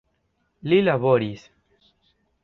Li laboris.